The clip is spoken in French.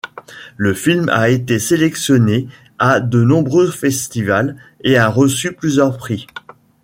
Le film a été sélectionné à de nombreux festivals, et a reçu plusieurs prix.